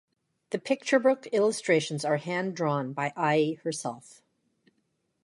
The picture book illustrations are hand-drawn by Ai herself.